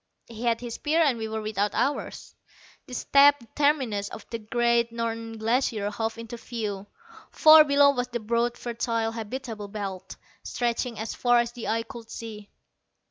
He had his spear and we were without ours. The steep terminus of the great Northern Glacier hove into view. Far below was the broad fertile habitable belt, stretching as far as the eye could see.